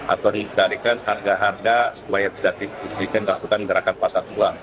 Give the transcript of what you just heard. atau menyebabkan harga harga supaya tidak diperlukan untuk melakukan gerakan pasar pulang